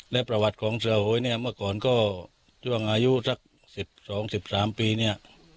และประวัติของเสือโหยเนี่ยเมื่อก่อนก็ช่วงอายุสัก๑๒๑๓ปีเนี่ย